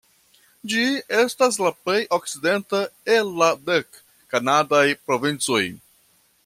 Ĝi estas la plej okcidenta el la dek kanadaj provincoj.